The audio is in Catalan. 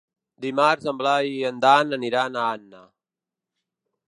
Dimarts en Blai i en Dan aniran a Anna.